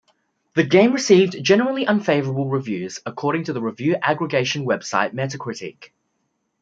The game received "generally unfavorable reviews" according to the review aggregation website Metacritic.